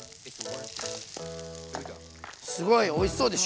すごいおいしそうでしょ？